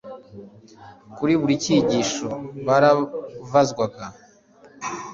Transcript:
kuri buri kigisho baravazwaga